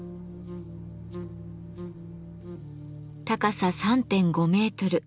高さ３．５メートル